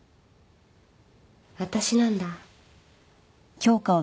私なんだ